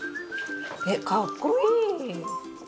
えかっこいい！